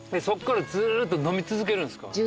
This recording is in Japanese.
そっからずっと飲み続けるんですか？